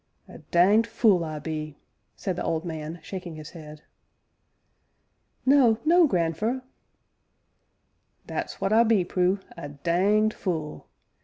"A danged fule I be!" said the old man, shaking his head. "No, no, grandfer!" "That's what I be, Prue a danged fule!